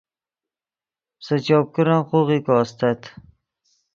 سے چوپ کرن خوغیکو استت